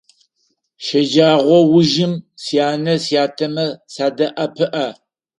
Щэджэгъоужым сянэ-сятэмэ садэӀэпыӀэ.